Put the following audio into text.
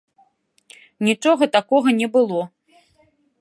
Нічога такога не было.